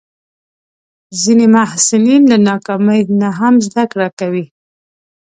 ځینې محصلین له ناکامۍ نه هم زده کړه کوي.